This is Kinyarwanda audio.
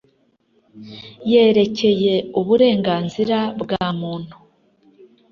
yerekeye uburenganzira bwa Muntu